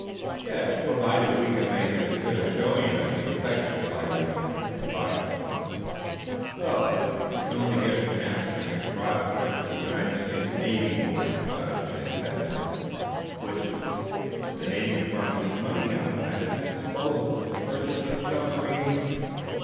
"Yes, provided we can make as good a showing as he expects," replied the inventor, cautiously. "Oh, if we could only get a chance to make a trial trip for a United States Naval board!" sighed Jack Benson, wistfully. "The Navy Department has money now at its disposal for the purchase of submarines.